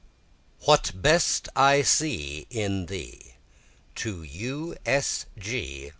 What Best I See in Thee [To U. S. G.